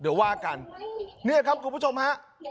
เดี๋ยวว่ากันเนี่ยครับคุณผู้ชมฮะ